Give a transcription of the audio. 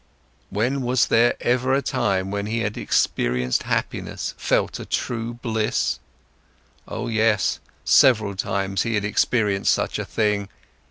When was there ever a time when he had experienced happiness, felt a true bliss? Oh yes, several times he had experienced such a thing.